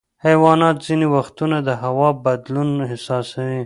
حیوانات ځینې وختونه د هوا بدلون احساسوي.